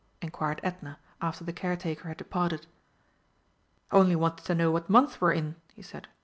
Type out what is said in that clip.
inquired Edna after the caretaker had departed. "Only wanted to know what month we're in," he said.